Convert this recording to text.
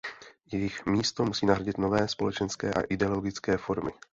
Jejich místo musí nahradit nové společenské a ideologické formy.